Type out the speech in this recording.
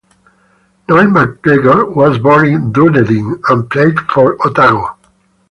Noel McGregor was born in Dunedin and played for Otago.